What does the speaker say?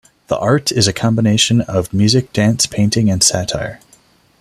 The art is a combination of music, dance, painting and satire.